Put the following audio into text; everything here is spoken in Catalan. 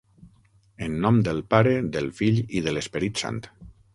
En nom del Pare, del Fill i de l'Esperit Sant.